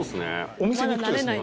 お店に行くとですね